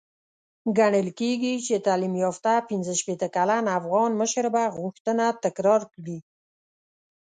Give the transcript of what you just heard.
ګڼل کېږي چې تعليم يافته پنځه شپېته کلن افغان مشر به غوښتنه تکرار کړي.